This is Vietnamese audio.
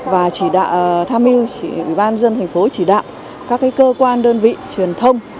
và tham mưu ủy ban dân thành phố chỉ đạo các cơ quan đơn vị truyền thông